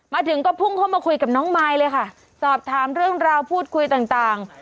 มาถึงก็พุ่งเข้ามาคุยกับน้องมายเลยค่ะสอบถามเรื่องราวพูดคุยต่าง